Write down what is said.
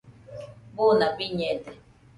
buna biñede